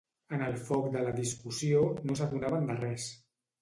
En el foc de la discussió no s'adonaven de res.